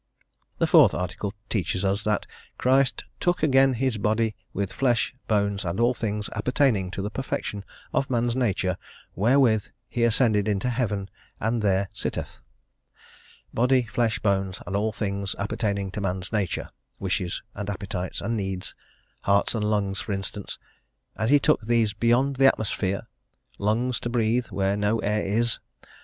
The Fourth Article teaches us that Christ "took again his body, with flesh, bones, and all things appertaining to the perfection of man's nature; wherewith he ascended into heaven, and there sitteth." Body, flesh, bones, and all things appertaining to man's nature; wishes, and appetites, and needs, heart and lungs, for instance; and he took these beyond the atmosphere? lungs to breathe where no air is?